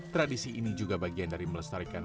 tradisi ini juga bagian dari melestarikan